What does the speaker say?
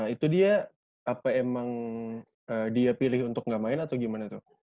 itu dia apa emang dia pilih untuk gak main atau gimana tuh